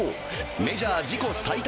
メジャー自己最多